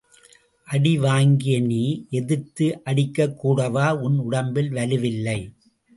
அடி வாங்கிய நீ, எதிர்த்து அடிக்கக்கூடவா உன் உடம்பில் வலுவில்லை!